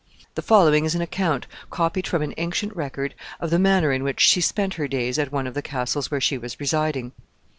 The following is an account, copied from an ancient record, of the manner in which she spent her days at one of the castles where she was residing.